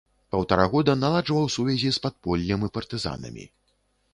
Паўтара года наладжваў сувязі з падполлем і партызанамі.